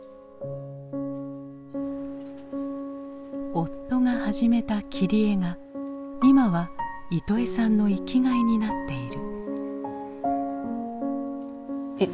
夫が始めた切り絵が今はイトエさんの生きがいになっている。